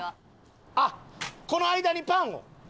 あっこの間にパンを。